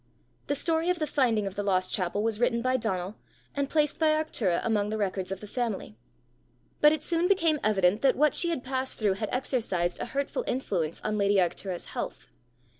The story of the finding of the lost chapel was written by Donal, and placed by Arctura among the records of the family. But it soon became evident that what she had passed through had exercised a hurtful influence on lady Arctura's health.